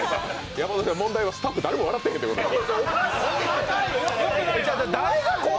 山添さん、問題はスタッフ誰も笑ってないとこです。